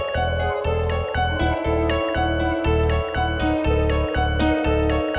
sampai jumpa lagi